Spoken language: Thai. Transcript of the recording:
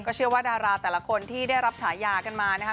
เชื่อว่าดาราแต่ละคนที่ได้รับฉายากันมานะครับ